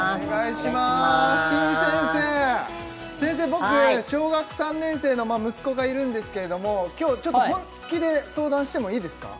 僕小学３年生の息子がいるんですけれども今日ちょっと本気で相談してもいいですか？